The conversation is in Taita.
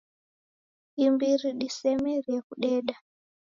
Imbiri disemerie kudeda